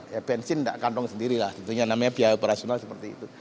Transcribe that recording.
ya bensin tidak kantong sendiri lah tentunya namanya biaya operasional seperti itu